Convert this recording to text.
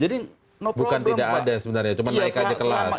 jadi bukan tidak ada sebenarnya cuma naik aja kelas